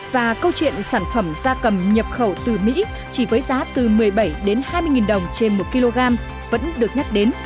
và câu chuyện sản phẩm da cầm nhập khẩu từ mỹ chỉ với giá từ một mươi bảy đến hai mươi đồng trên một kg vẫn được nhắc đến